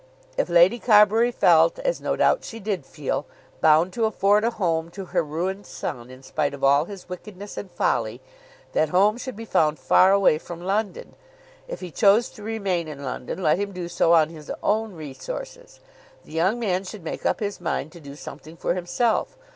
If Lady Carbury felt, as no doubt she did feel, bound to afford a home to her ruined son in spite of all his wickedness and folly, that home should be found far away from London. If he chose to remain in London, let him do so on his own resources. The young man should make up his mind to do something for himself.